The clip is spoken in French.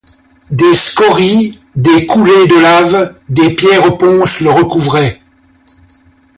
Des scories, des coulées de lave, des pierres ponces le recouvraient.